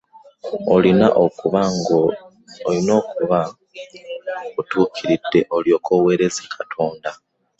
Olina okubanga otukilidde olyoke owereeze katonda.